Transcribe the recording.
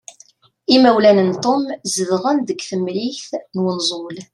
Imawlan n Tom zedɣen deg temrikt n unẓul.